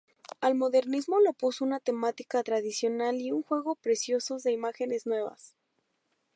Al modernismo lo puso una temática tradicional y un juego preciosos de imágenes nuevas.